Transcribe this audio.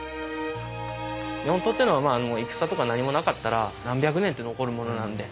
日本刀っていうのは戦とか何もなかったら何百年って残るものなので。